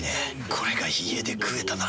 これが家で食えたなら。